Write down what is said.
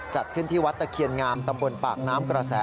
จัดขึ้นที่วัดตะเคียนงามตำบลปากน้ำกระแส